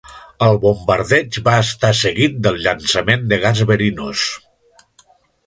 El bombardeig va estar seguit del llançament de gas verinós.